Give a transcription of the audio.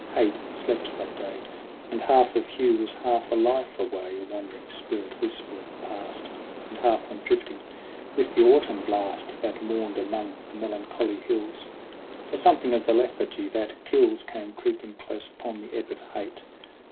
Hate slept that day, And half of Hugh was half a life away, A wandering spirit wistful of the past; And half went drifting with the autumn blast That mourned among the melancholy hills ; For something of the lethargy that kills Came creeping close upon the ebb of hate.